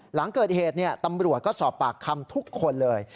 หลังเกิดเหตุตำรวจก็สอบปากคำทุกคนเลย